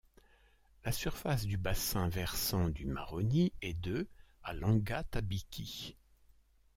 La surface du bassin versant du Maroni est de à Langa Tabiki.